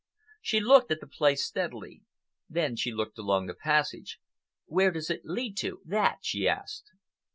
She looked at the place steadily. Then she looked along the passage. "Where does it lead to—that?" she asked.